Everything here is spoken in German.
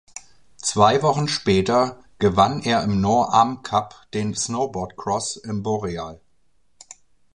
Zwei Wochen später gewann er im Nor Am Cup den Snowboardcross in Boreal.